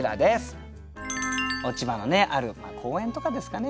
落ち葉のある公園とかですかね